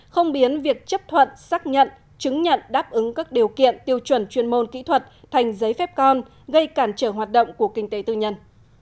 không biến việc chấp thuận xác nhận chứng nhận đáp ứng các điều kiện tiêu chuẩn chuyên môn kỹ thuật thành giấy phép con gây cản trở hoạt động của kinh tế tư nhân